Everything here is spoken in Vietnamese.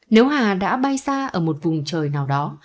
nếu hà đã bay xa ở một vùng trời nào đó